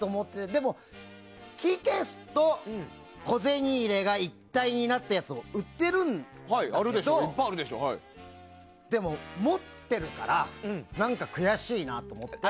でも、キーケースと小銭入れが一体になったやつも売っているんだけどでも、持っているから何か悔しいなと思ってて。